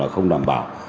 không đảm bảo